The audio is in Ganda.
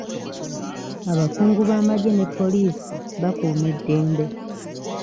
Abakungu b'amagye ne poliisi bakuuma eddembe .